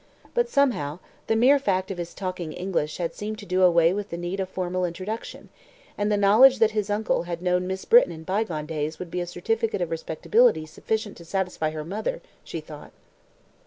But, somehow, the mere fact of his talking English had seemed to do away with the need of formal introduction, and the knowledge that his uncle had known Miss Britton in bygone days would be a certificate of respectability sufficient to satisfy her mother, she thought.